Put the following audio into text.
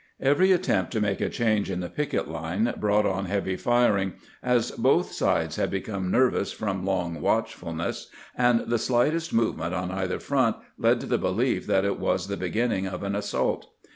Every attempt to make a change in the picket line brought on heavy firing, as both sides had become nervous from long watchfulness, and the slightest movement on either front led to the belief that it was the beginning of an assault.